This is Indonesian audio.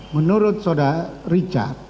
menurut saudara richard